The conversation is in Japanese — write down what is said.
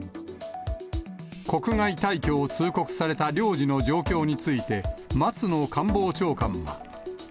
国外退去を通告された領事の状況について、松野官房長官は。